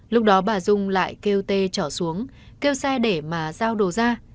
lúc đó bà dung lại kêu tê trở xuống kêu xe để mà giao đồ ra